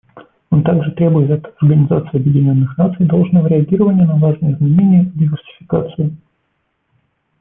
Он также требует от Организации Объединенных Наций должного реагирования на важные изменения и диверсификацию.